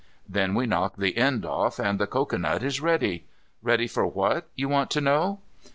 Then we knock the end off and the cocoanut is ready. Ready for what, you want to know?